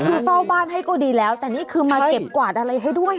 คือเฝ้าบ้านให้ก็ดีแล้วแต่นี่คือมาเก็บกวาดอะไรให้ด้วย